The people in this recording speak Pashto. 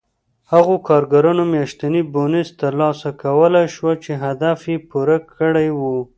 هغو کارګرانو میاشتنی بونېس ترلاسه کولای شوای چې هدف یې پوره کړی و